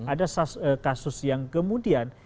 ada kasus yang kemudian